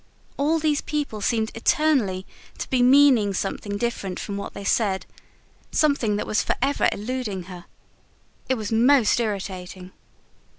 all these people seemed eternally to be meaning something different from what they said; something that was for ever eluding her. It was most irritating.